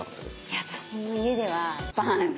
いや私も家ではバーン。